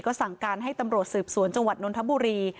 สั่งการให้ตำรวจสืบสวนจังหวัดนทบุรี